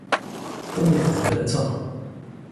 "To nie jest byle co."